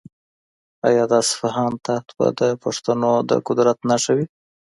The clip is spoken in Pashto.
آیا د اصفهان تخت به د پښتنو د قدرت نښه وي؟